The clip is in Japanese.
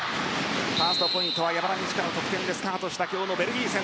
ファーストポイントは山田二千華の得点でスタートした今日のベルギー戦。